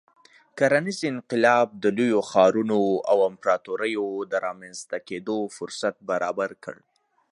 کرنیز انقلاب د لویو ښارونو او امپراتوریو د رامنځته کېدو فرصت برابر کړ.